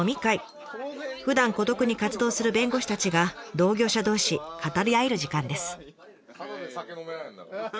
ふだん孤独に活動する弁護士たちが同業者同士語り合える時間です。